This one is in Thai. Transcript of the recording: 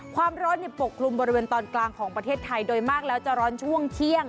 ความร้อนปกคลุมบริเวณตอนกลางของประเทศไทยโดยมากแล้วจะร้อนช่วงเที่ยง